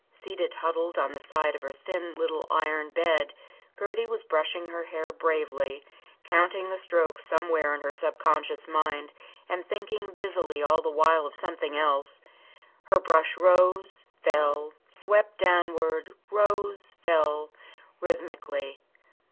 Seated huddled on the side of her thin little iron bed, Gertie was brushing her hair bravely, counting the strokes somewhere in her sub conscious mind and thinking busily all the while of something else. Her brush rose, fell, swept downward, rose, fell, rhythmically.